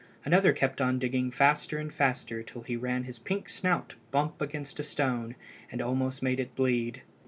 Another kept on digging faster and faster till he ran his pink snout bump against a stone, and almost made it bleed.